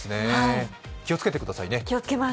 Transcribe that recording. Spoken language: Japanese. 気をつけてくださいね。